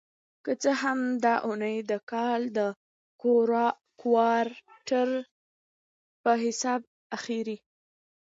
که څه هم دا اونۍ د کال د کوارټر په حساب اخېری